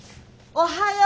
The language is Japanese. おはよう。